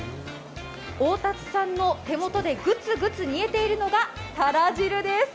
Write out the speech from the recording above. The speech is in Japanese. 大達さんの手元で、ぐつぐつ煮えているのが、たら汁です。